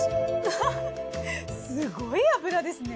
ハハッすごい脂ですね。